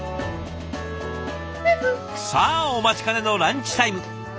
さあお待ちかねのランチタイム。